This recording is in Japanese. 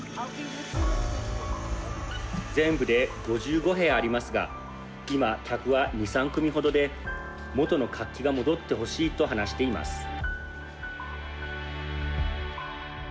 全部で５５部屋ありますが今、客は２、３組ほどでもとの活気が戻ってほしいと話しています。